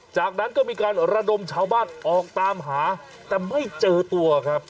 จากนั้นก็มีการระดมชาวบ้านออกตามหาแต่ไม่เจอตัวครับ